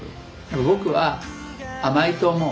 僕は甘いと思う。